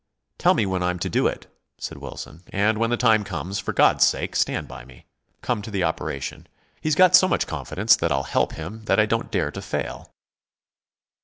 "Tell me when I'm to do it," said Wilson, "and when the time comes, for God's sake, stand by me. Come to the operation. He's got so much confidence that I'll help him that I don't dare to fail."